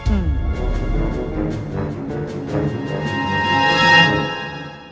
มีคนเข้าพูดกันเสมอ